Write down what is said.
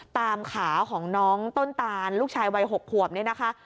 ตามขาของน้องต้นตานลูกชายวัย๖ขวบเนี่ยนะคะ